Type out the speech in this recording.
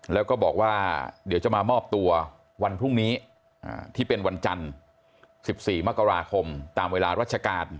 แล้วก็บอกว่าเดี๋ยวจะมามอบตัววันพรุ่งนี้ที่เป็นวันจันทร์๑๔มกราคมตามเวลาราชการ